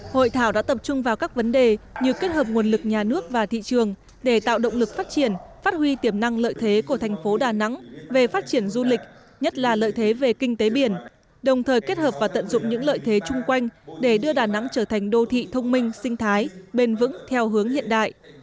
hội thảo đã tập trung vào các vấn đề như kết hợp nguồn lực nhà nước và thị trường để tạo động lực phát triển phát huy tiềm năng lợi thế của thành phố đà nẵng về phát triển du lịch nhất là lợi thế về kinh tế biển đồng thời kết hợp và tận dụng những lợi thế chung quanh để đưa đà nẵng trở thành đô thị thông minh sinh thái bền vững theo hướng hiện đại